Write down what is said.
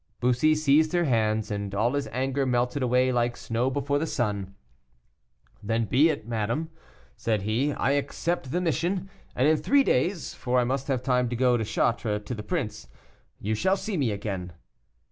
Bussy seized her hands, and all his anger melted away like snow before the sun. "Then so be it, madame," said he; "I accept the mission, and in three days for I must have time to go to Chartres to the prince you shall see me again."